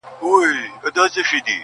دواړي تلي مي سوځیږي په غرمو ولاړه یمه،